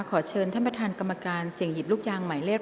ขอเชิญท่านประธานกรรมการเสี่ยงหยิบลูกยางหมายเลข